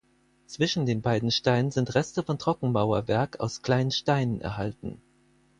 Zwischen den beiden Steinen sind Reste von Trockenmauerwerk aus kleinen Steinen erhalten.